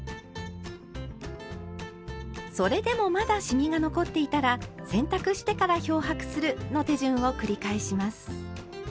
それでもまだシミが残っていたら「洗濯してから漂白する」の手順を繰り返します。